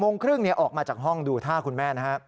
โมงครึ่งออกมาจากห้องดูท่าคุณแม่นะฮะ